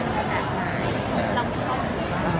มีโครงการทุกทีใช่ไหม